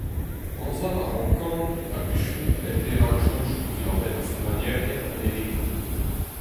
Anzav a rankan, a-wechoù em bez raksoñjoù diwar-benn ar skrivagnerien amerikan.